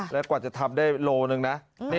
แล้วกว่าจะทำได้โลหนึ่งนะ